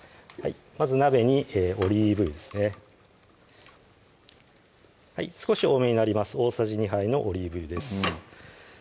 まず鍋にオリーブ油ですね少し多めになります大さじ２杯のオリーブ油です